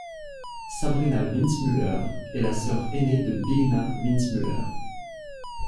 Sabrina Windmüller est la sœur aînée de Bigna Windmüller.